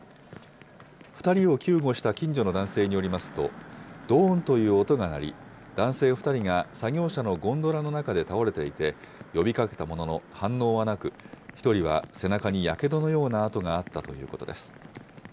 ２人を救護した近所の男性によりますと、どーんという音が鳴り、男性２人が作業車のゴンドラの中で倒れていて、呼びかけたものの反応はなく、１人は背中にやけどのような痕があったということです。